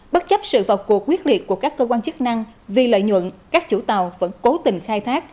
bất chấp sự vào cuộc quyết liệt của các cơ quan chức năng vì lợi nhuận các chủ tàu vẫn cố tình khai thác